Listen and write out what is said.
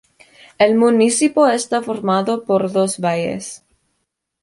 El municipio está formado por dos valles.